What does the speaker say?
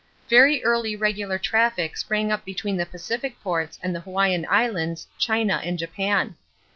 Very early regular traffic sprang up between the Pacific ports and the Hawaiian Islands, China, and Japan.